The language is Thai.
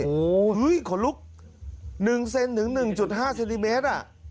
โอ้โหขอลุก๑เซนถึง๑๕เซนติเมตร